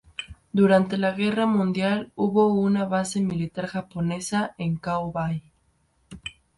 Durante la Segunda Guerra Mundial, hubo una base militar japonesa en Kao Bay.